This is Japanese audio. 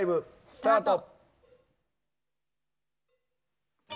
スタート。